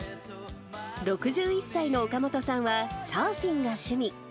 ６１歳の岡本さんは、サーフィンが趣味。